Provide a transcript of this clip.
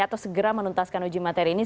atau segera menuntaskan uji materi ini